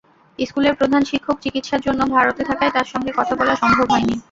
স্কুলের প্রধান শিক্ষক চিকিৎসার জন্য ভারতে থাকায় তাঁর সঙ্গে কথা বলা সম্ভব হয়নি।